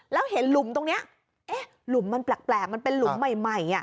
แล้วเห็นหลุมตรงนี้หลุมมันแปลกมันเป็นหลุมใหม่